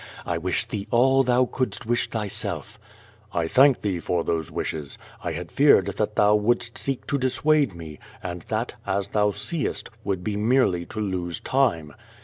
I wish thee all thou couldst wish thj^self/^ "1 thank thee for those wishes. I had feared that thou wouldst seek to dissuade me, and that, as thou seest, would be mei'ely to lose time."